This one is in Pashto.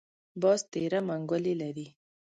باز تېره منګولې لري